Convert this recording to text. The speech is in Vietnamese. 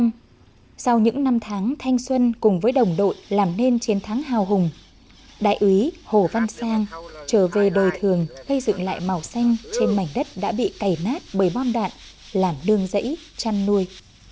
năm một nghìn chín trăm tám mươi năm sau những năm tháng thanh xuân cùng với đồng đội làm nên chiến thắng hào hùng đại úy hồ văn sang trở về đời thường gây dựng lại màu xanh trên mảnh đất đã bị cày nát bởi bom đạn làm đường dãy chăn nuôi